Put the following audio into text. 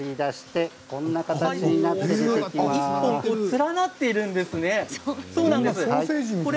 １本に連なっているんですね。